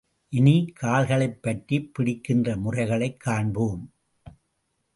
இனி, கால்களைப் பற்றிப் பிடிக்கின்ற முறைகளைக் காண்போம்.